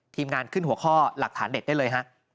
งานขึ้นหัวข้อหลักฐานเด็ดได้เลยฮะ